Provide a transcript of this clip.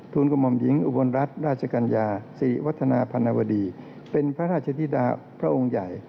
กระหม่อมหญิงอุบลรัฐราชกัญญาศรีวัฒนาพันวดีเป็นพระราชธิดาพระองค์ใหญ่